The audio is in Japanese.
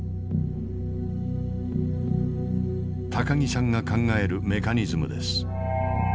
木さんが考えるメカニズムです。